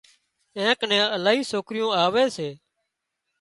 اين ڪنين الاهي سوڪريون آوي سي